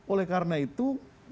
oleh karena itu